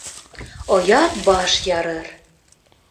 Оят баш ярыр.